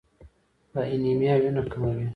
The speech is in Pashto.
د انیمیا وینه کموي.